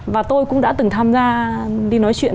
và tôi cũng đã từng tham gia đi nói chuyện